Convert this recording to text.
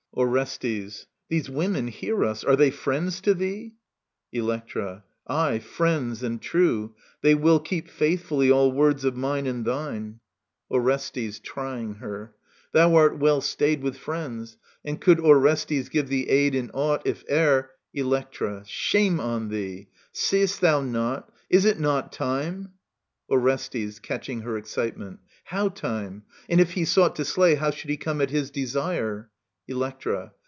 Orestes. These women hear us. Are they friends to thee ? Electra. Aye, friends and true. They will keep faithfully All words of mine and thine. Digitized by VjOOQIC 20 EURIPIDES Orestes {trying her). Thou art well stayed With friends. And could Orestes give thee aid In aught, if e*er ... Electra. Shame on thee ! Seest thou not ? Is it not time ? Orestes {catching her excitement). How time ? And if he sought To slay, how should he come at his desire ? Electra.